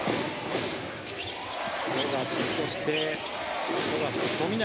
富樫そして富永